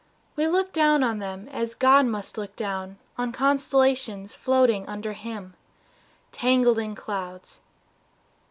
We look down on them as God must look down On constellations floating under Him Tangled in clouds.